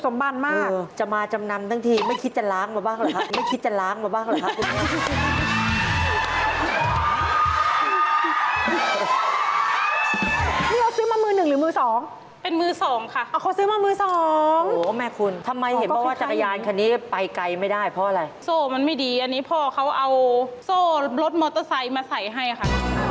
เธอมีเพราะมาฉีอมขว่าตอ้นเกลี้ยแล้วเอาโซ่รถโมเตอร์ไซต์มาใส่ให้อะค่ะ